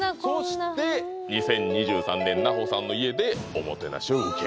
そして「２０２３年奈穂さんの家でおもてなしを受ける」